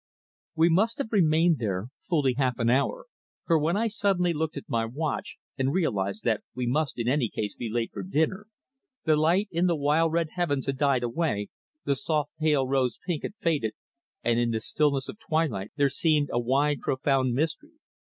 We must have remained there fully half an hour, for when I suddenly looked at my watch and realised that we must in any case be late for dinner, the light in the wild red heavens had died away, the soft pale rose pink had faded, and in the stillness of twilight there seemed a wide, profound mystery.